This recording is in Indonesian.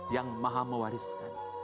yang maha mewariskan